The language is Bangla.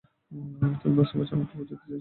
তুমি বুঝতে পারছো আমি কী বোঝাতে চাইছি, তাই না?